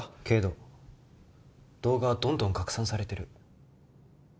けど動画はどんどん拡散されてる。